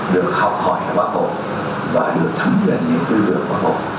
được học hỏi bác hồ và được thấm gần những tư tưởng bác hồ